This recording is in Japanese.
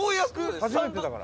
初めてだから。